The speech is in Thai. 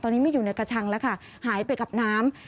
ตอนนี้ไม่อยู่ในกระชังแล้วค่ะหายไปกับน้ำ